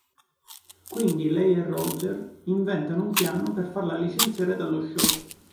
Quindi lei e Roger inventano un piano per farla licenziare dallo show.